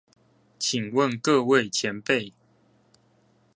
請問各位前輩